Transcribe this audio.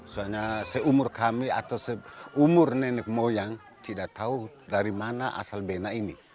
soalnya seumur kami atau seumur nenek moyang tidak tahu dari mana asal bena ini